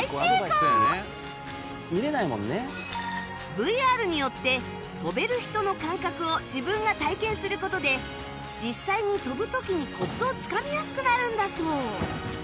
ＶＲ によって跳べる人の感覚を自分が体験する事で実際に跳ぶ時にコツをつかみやすくなるんだそう